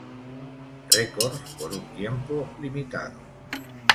Records por un tiempo limitado.